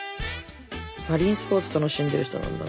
マリンスポーツ楽しんでる人なんだな。